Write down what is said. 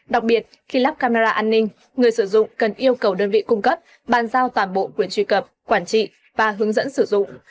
đặc biệt khi lắp camera an ninh người sử dụng cần yêu cầu đơn vị cung cấp bàn giao toàn bộ quyền truy cập quản trị và hướng dẫn sử dụng